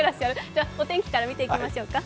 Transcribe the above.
じゃお天気から見ていきましょうか。